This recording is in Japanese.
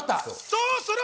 そう！